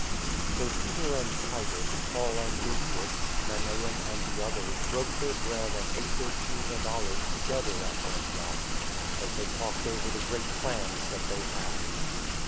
So Peter and Titus, Paul and Lucius, Manaen and the others broke their bread and ate their cheese and olives together at Antioch, as they talked over the great plans that they had.